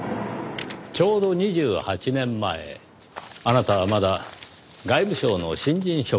ちょうど２８年前あなたはまだ外務省の新人職員。